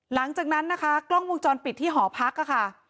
หลังจากนั้นนะคะกล้องวงจรปิดที่หอพักค่ะ